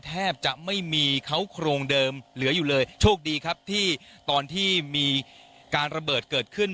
แทบจะไม่มีเขาโครงเดิมเหลืออยู่เลยโชคดีครับที่ตอนที่มีการระเบิดเกิดขึ้น